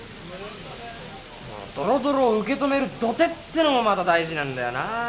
このどろどろを受け止める土手ってのもまた大事なんだよな。